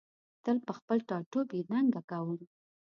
تل په خپل ټاټوبي ننګه کوم